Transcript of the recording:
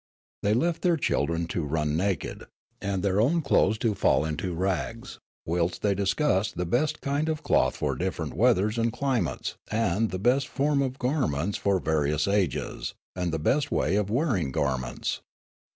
The}' left their children to run naked, and their own clothes to fall into rags, whilst they discussed the best kind of cloth for different weathers and climates, and the best form of garments Jabberoo 249 for various ages, and the best way of wearing gar ments.